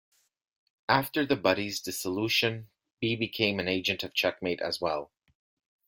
After the Buddies' dissolution, Bea became an agent of Checkmate as well.